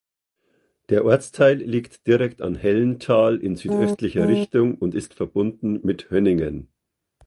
Der Ortsteil liegt direkt an Hellenthal in südöstlicher Richtung und ist verbunden mit Hönningen.